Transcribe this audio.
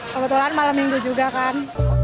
kebetulan malam minggu juga kan